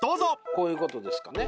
こういうことですかね？